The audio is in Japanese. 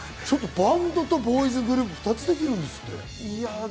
バンドとボーイズグループ、２つできるんですって。